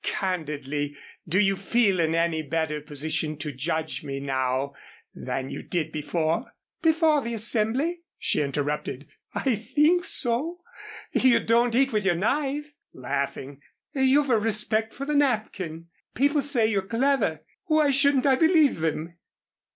"Candidly, do you feel in any better position to judge me now than you did before " "Before the Assembly?" she interrupted. "I think so. You don't eat with your knife," laughing. "You've a respect for the napkin. People say you're clever. Why shouldn't I believe them?"